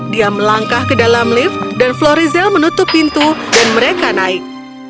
dia melangkah ke dalam lift dan florizel menutup pintu dan mereka naik